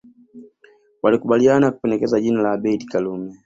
Walikubaliana kupendekeza jina la Abeid Karume